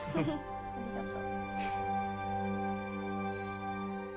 ありがとう。